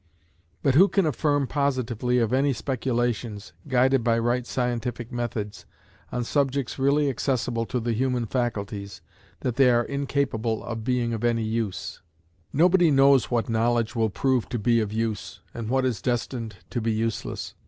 But who can affirm positively of any speculations, guided by right scientific methods, on subjects really accessible to the human faculties, that they are incapable of being of any use? Nobody knows what knowledge will prove to be of use, and what is destined to be useless.